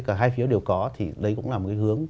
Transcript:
cả hai phiếu đều có thì đấy cũng là một cái hướng